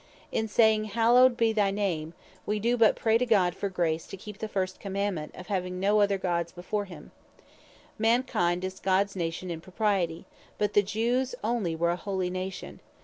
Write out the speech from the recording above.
In saying "Hallowed be thy name," we do but pray to God for grace to keep the first Commandement, of "having no other Gods but Him." Mankind is Gods Nation in propriety: but the Jews only were a Holy Nation.